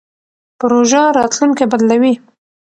پروژه راتلونکی بدلوي.